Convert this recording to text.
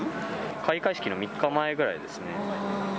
開会式の３日前ぐらいですね。